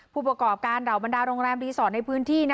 ผู้ประกอบการเหล่าบรรดาโรงแรมรีสอร์ทในพื้นที่